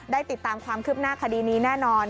ติดตามความคืบหน้าคดีนี้แน่นอน